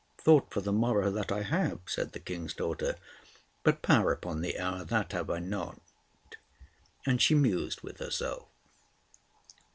"Thought for the morrow, that I have," said the King's daughter; "but power upon the hour, that have I not." And she mused with herself.